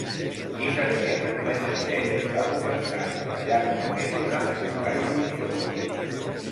Llicenciat en magisteri, va començar a treballar com a mestre a la Vall d'Uixó.